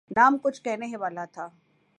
Tom کچھ کہنے ہی والا تھا۔